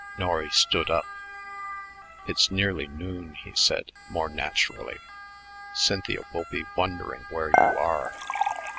Norry stood up. "It's nearly noon," he said more naturally. "Cynthia will be wondering where you are."